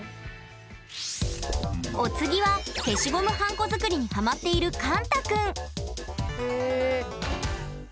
お次は消しゴムはんこ作りにハマっているかんたくんへ。